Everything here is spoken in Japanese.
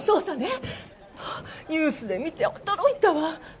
もうニュースで見て驚いたわ！